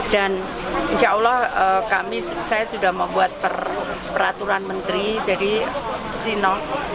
dan insya allah kami saya sudah membuat peraturan menteri jadi sino